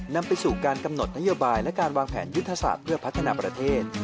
นำไปสู่การกำหนดนโยบายและการวางแผนยุทธศาสตร์เพื่อพัฒนาประเทศ